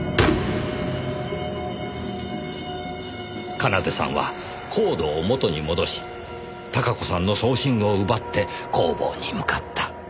奏さんはコードを元に戻し孝子さんの装身具を奪って工房に向かった。